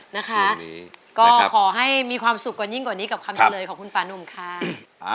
นะคะก็ขอให้มีความสุขกันยิ่งกว่านี้กับคำเฉลยของคุณป่านุ่มค่ะ